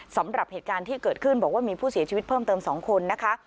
สำหรับเหตุการณ์ที่เกิดขึ้นบอกว่ามีผู้เสียชีวิตเพิ่มเติม๒คนนะคะ